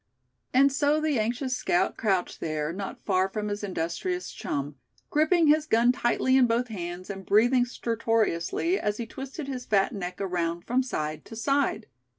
And so the anxious scout crouched there, not far from his industrious chum, gripping his gun tightly in both hands, and breathing stertorously as he twisted his fat neck around from side to side.